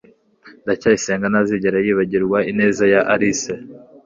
ndacyayisenga ntazigera yibagirwa ineza ya alice